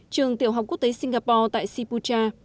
bảy trường tiểu học quốc tế singapore tại sipucha